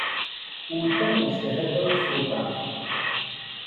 Aux temps où ces rêveurs sauvages